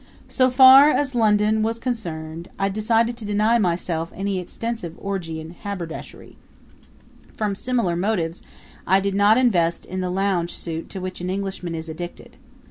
So far as London was concerned, I decided to deny myself any extensive orgy in haberdashery. From similar motives I did not invest in the lounge suit to which an Englishman is addicted.